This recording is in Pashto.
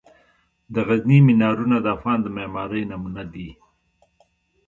د غزني مینارونه د افغان د معمارۍ نمونه دي.